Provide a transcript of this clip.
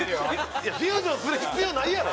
フュージョンする必要ないやろ。